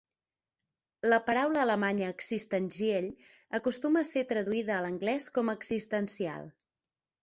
La paraula alemanya "existenziell" acostuma a ser traduïda a l'anglès com "existencial".